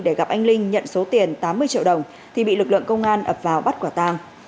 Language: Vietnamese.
để gặp anh linh nhận số tiền tám mươi triệu đồng thì bị lực lượng công an ập vào bắt quả tàng